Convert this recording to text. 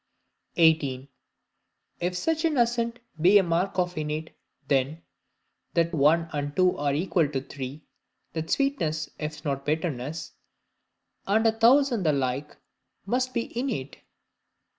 18. If such an Assent be a Mark of Innate, then "that one and two are equal to three, that Sweetness is not Bitterness," and a thousand the like, must be innate.